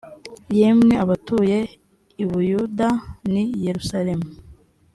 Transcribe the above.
yemwe abatuye i buyuda n i yerusalemu